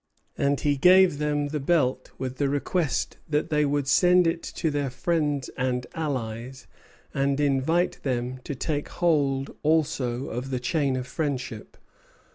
And he gave them the belt with the request that they would send it to their friends and allies, and invite them to take hold also of the chain of friendship.